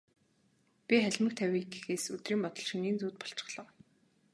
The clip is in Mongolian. Би халимаг тавья гэхээс өдрийн бодол, шөнийн зүүд болчихлоо.